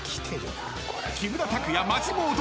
［木村拓哉マジモード！］